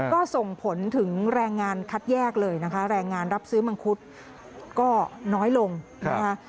ก็ส่งผลถึงแรงงานคัดแยกเลยนะคะก็น้อยลงนะคะ